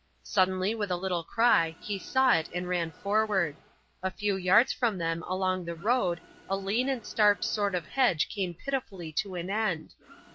Suddenly, with a little cry, he saw it and ran forward. A few yards from them along the road a lean and starved sort of hedge came pitifully to an end.